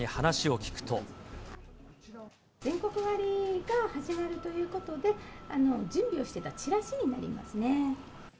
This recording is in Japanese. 全国割が始まるということで、準備をしていたチラシになりますね。